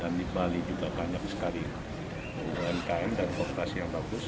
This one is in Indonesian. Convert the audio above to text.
dan di bali juga banyak sekali umkm dan kooperasi yang bagus